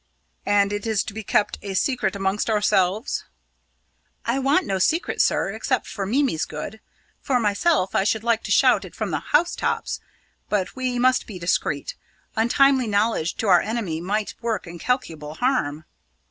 "And it is to be kept a secret amongst ourselves?" "I want no secret, sir, except for Mimi's good. For myself, I should like to shout it from the house tops! But we must be discreet; untimely knowledge to our enemy might work incalculable harm."